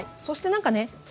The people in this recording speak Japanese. そして何かね